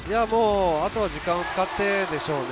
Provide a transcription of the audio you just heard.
あとは時間を使ってでしょうね。